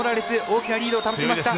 大きなリードを保ちました。